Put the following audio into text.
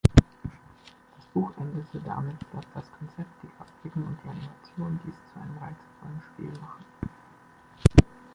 Das Buch endete damit, dass „das Konzept, die Grafiken und die Animation dies zu einem reizvollen Spiel machen“.